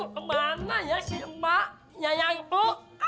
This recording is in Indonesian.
kemana ya si emak yayang itu